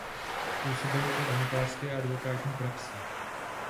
Působil pak v notářské a advokátní praxi.